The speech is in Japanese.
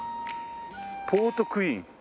ポートクイーン。